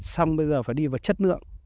xong bây giờ phải đi vào chất lượng